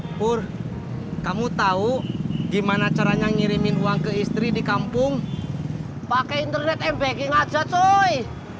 hai pur kamu tahu gimana caranya ngirimin uang ke istri di kampung pakai internet mbking aja coy